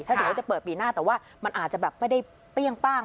ถ้าสมมุติจะเปิดปีหน้าแต่ว่ามันอาจจะแบบไม่ได้เปรี้ยงป้าง